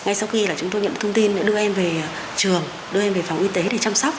ngay sau khi chúng tôi nhận thông tin đã đưa em về trường đưa em về phòng y tế để chăm sóc